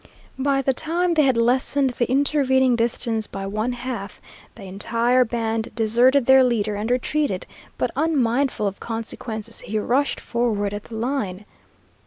By the time they had lessened the intervening distance by one half, the entire band deserted their leader and retreated, but unmindful of consequences he rushed forward at the line.